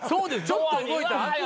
ちょっと動いたら開く。